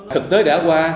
thực tế đã qua